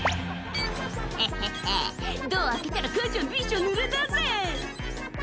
「ヘッヘッヘドア開けたら母ちゃんびしょぬれだぜ！」